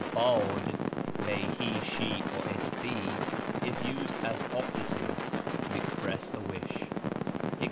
jb &a<Z, may he, she, or it be, is used as optative to express a wish : ex.